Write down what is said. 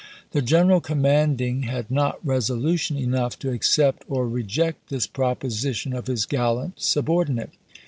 ^ The general commanding had not resolution enough to accept or reject this proposition of his gallant subordinate.